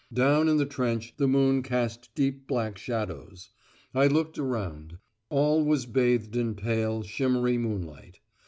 Down in the trench the moon cast deep black shadows. I looked around. All was bathed in pale, shimmery moonlight.